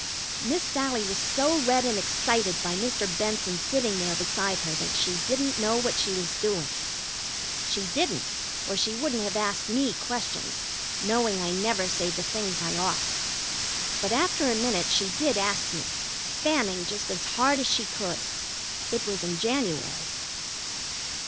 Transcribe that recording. Miss Sallie was so red and excited by Mr. Benson sitting there beside her that she didn't know what she was doing. She didn't, or she wouldn't have asked me questions, knowing I never say the things I ought. But after a minute she did ask me, fanning just as hard as she could. It was in January.